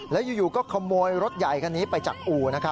แล้วอยู่ก็ขโมยรถใหญ่คันนี้ไปจากอู่